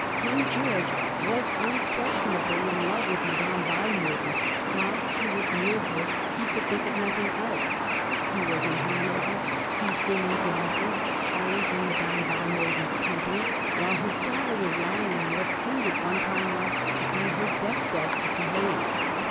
King Gieorge was nnquMtionablj in love with Hadame Walmoden: while bewa§ near her he could think of notfaiog else. He was in Hanover, feasting and dancing, always in Madame Walmoden'a company, while bifl daagbter was lying on what seemed at one time like to be her death bed at the H^ne.